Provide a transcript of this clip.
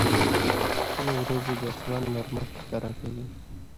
سپینې ورېځې د اسمان نرمښت ښکاره کوي.